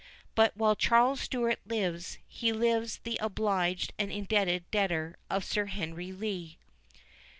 But while Charles Stewart lives, he lives the obliged and indebted debtor of Sir Henry Lee."